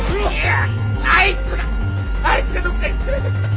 あいつがあいつがどっかに連れてった。